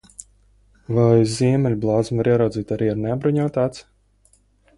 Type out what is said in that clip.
Vai ziemeļblāzmu var ieraudzīt arī ar neapbruņotu aci?